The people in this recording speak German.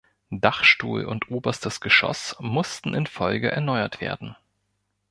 Dachstuhl und oberstes Geschoss mussten infolge erneuert werden.